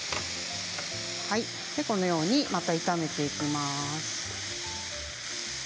このようにまた炒めていきます。